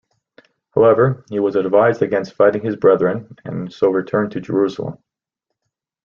However, he was advised against fighting his brethren, and so returned to Jerusalem.